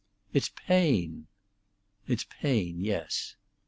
"It's pain!" "It's pain, yes."